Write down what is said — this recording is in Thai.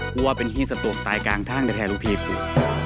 กลัวเป็นหี้สะตวกตายกลางท่างแต่แทร่รูพีกู